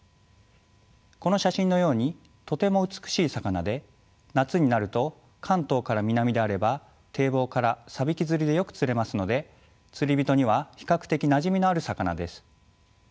この写真のようにとても美しい魚で夏になると関東から南であれば堤防からサビキ釣りでよく釣れますので釣り人には比較的なじみのある魚です。